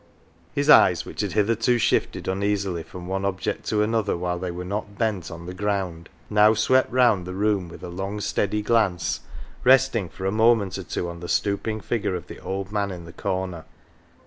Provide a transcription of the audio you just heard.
His eyes, which had hitherto shifted uneasily from one object to another when they were not bent on the ground, now swept round the room with a long steady glance, resting for a moment or two on the stooping figure of the old man in the corner.